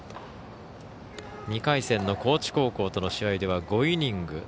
２回戦の高知高校との試合では５イニング。